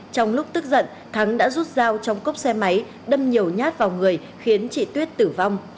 trong lúc tức giận thắng đã rút dao trong cốc xe máy đâm nhiều nhát vào người khiến chị tuyết tử vong